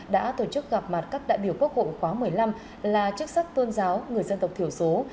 đã tổ chức gặp mặt các đại biểu quốc hội khóa một mươi năm là chức sắc tôn giáo người dân tộc thiểu số